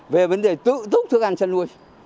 về vấn đề tự túc thức ăn chăn nuôi